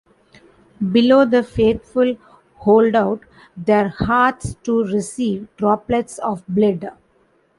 Below the faithful hold out their hearts to receive droplets of blood.